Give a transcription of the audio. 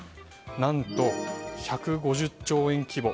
何と１５０兆円規模。